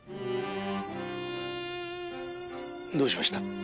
「どうしました？」